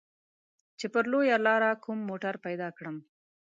چې پر لويه لاره کوم موټر پيدا کړم.